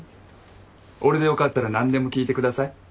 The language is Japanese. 俺でよかったら何でも聞いてください。